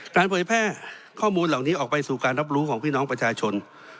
เผยแพร่ข้อมูลเหล่านี้ออกไปสู่การรับรู้ของพี่น้องประชาชน